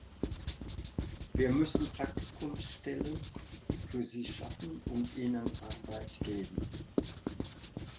Wir müssen Praktikumsstellen für sie schaffen und ihnen Arbeit geben.